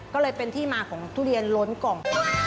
ก็เลยเป็นที่มาของทุเรียนล้นกล่อง